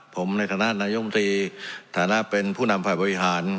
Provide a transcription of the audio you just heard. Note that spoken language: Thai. ผมในฐานะนายมตรีฐานะเป็นผู้นำฝ่ายบริหาร